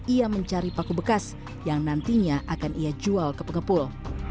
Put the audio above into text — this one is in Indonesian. ia mencari paku bekas yang nantinya akan ia jual ke pengepul